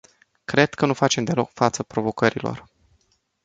Cred că nu facem deloc față provocărilor.